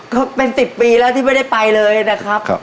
ก็เป็น๑๐ปีแล้วที่ไม่ได้ไปเลยนะครับ